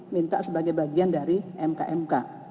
minta sebagai bagian dari mk mk